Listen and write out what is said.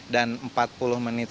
dan empat puluh menit